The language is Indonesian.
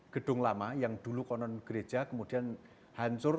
gedung lama yang dulu konon gereja kemudian hancur